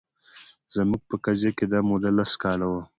زموږ په قضیه کې دا موده لس کاله وه